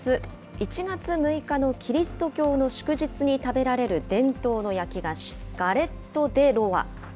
１月６日のキリスト教の祝日に食べられる、伝統の焼き菓子、ガレット・デ・ロワ。